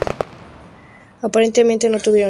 Aparentemente no tuvieron hijos.